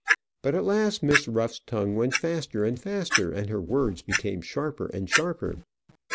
But at last Miss Ruff's tongue went faster and faster, and her words became sharper and sharper.